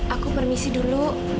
aku permisi dulu